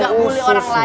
gak boleh orang lain